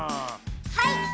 はい！